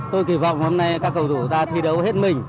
tôi kỳ vọng hôm nay các cầu thủ đã thi đấu hết mình